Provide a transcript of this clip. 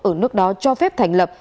ở nước đó cho phép thành lập